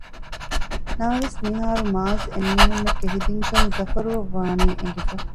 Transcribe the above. ނަމަވެސް މިހާރު މާޒް އެމީހުންނަށް ކެހި ދިންކަން ޒަފަރުއަށް ވާނީ އެނގިފަ